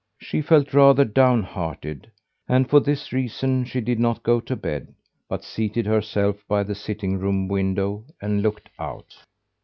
She felt rather downhearted; and for this reason she did not go to bed but seated herself by the sitting room window and looked out.